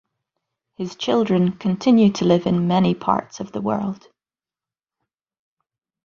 His children continue to live in many parts of the world.